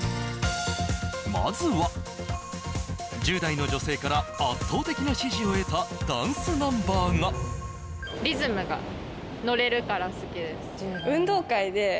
まずは１０代の女性から圧倒的な支持を得たダンスナンバーがから好きです